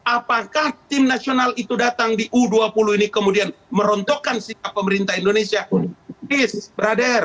apakah tim nasional itu datang di u dua puluh ini kemudian merontokkan sikap pemerintah indonesia